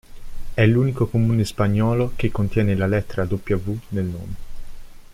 È l'unico comune spagnolo che contiene la lettera W nel nome.